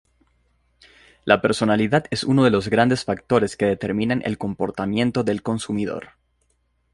La personalidad es uno de los grandes factores que determinan el comportamiento del consumidor.